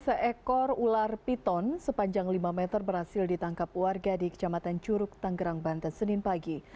seekor ular piton sepanjang lima meter berhasil ditangkap warga di kecamatan curug tanggerang banten senin pagi